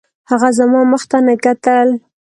هغه زما مخ ته نه کتل